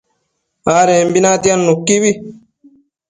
adembi natiad nuquibi